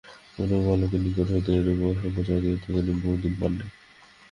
কোনো বালকের নিকট হইতে এরূপ অসংকোচ আত্মীয়তা তিনি বহুদিন পান নাই।